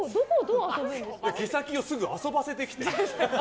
毛先をすぐ遊ばせてきて。